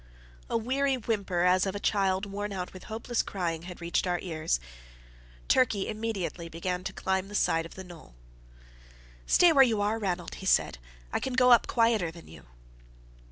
A weary whimper as of a child worn out with hopeless crying had reached our ears. Turkey immediately began to climb the side of the knoll. "Stay where you are, Ranald," he said. "I can go up quieter than you."